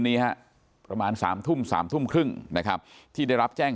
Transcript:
นี้ฮะประมาณ๓ทุ่ม๓ทุ่มครึ่งนะครับที่ได้รับแจ้ง